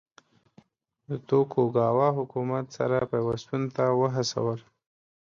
د توکوګاوا حکومت سره پیوستون ته وهڅول.